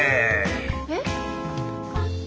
えっ？